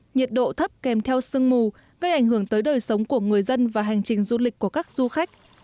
nhiệt độ thấp kèm theo sương mù gây ảnh hưởng tới đời sống của người dân và hành trình du lịch của các du khách